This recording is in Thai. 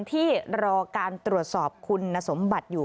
ที่รอการตรวจสอบคุณสมบัติอยู่